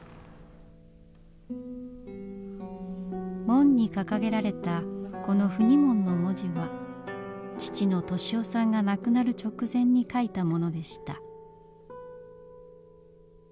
門に掲げられたこの「不二門」の文字は父の利雄さんが亡くなる直前に書いたものでした。